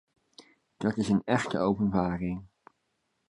Dat is een echte openbaring.